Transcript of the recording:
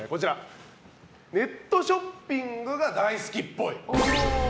ネットショッピングが大好きっぽい。